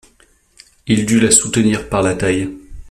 Il dut la soutenir par la taille.